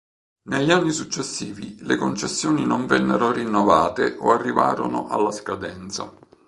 Negli anni successivi le concessioni non vennero rinnovate o arrivarono alla scadenza.